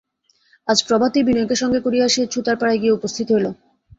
আজ প্রভাতেই বিনয়কে সঙ্গে করিয়া সে ছুতারপাড়ায় গিয়া উপস্থিত হইল।